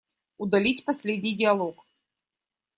Удалить последний диалог.